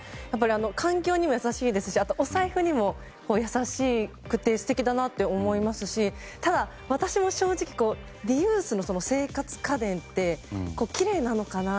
環境にも優しいですしお財布にも優しくてすてきだなと思いますしただ、私も正直リユースの生活家電ってきれいなのかな？